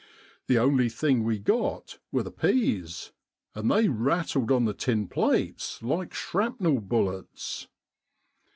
The only thing we got were the peas, and they rattled on the tin plates like shrapnel bullets.